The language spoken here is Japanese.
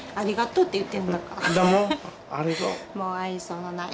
もう愛想のない。